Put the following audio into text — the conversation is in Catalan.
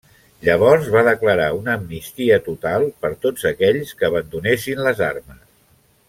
Llavors va declarar una amnistia total per tots aquells que abandonessin les armes.